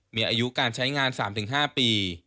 มีอายุการใช้งาน๓๕ปี